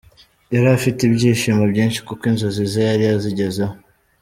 Yari afite ibyishimo byinshi kuko inzozi ze yari azigezeho.